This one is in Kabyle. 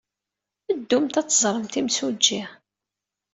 Ddumt ad teẓremt imsujji.